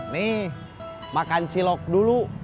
nih makan cilok dulu